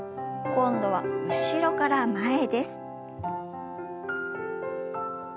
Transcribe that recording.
今度は後ろから前です。